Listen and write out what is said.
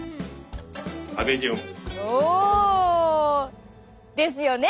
おお。ですよね！